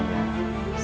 segala dari itu